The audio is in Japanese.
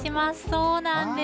そうなんです。